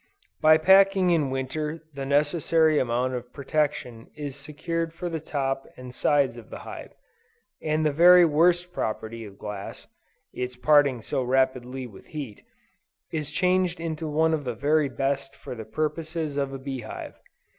By packing in winter, the necessary amount of protection is secured for the top and sides of the hive, and the very worst property of glass, (its parting so rapidly with heat,) is changed into one of the very best for the purposes of a bee hive.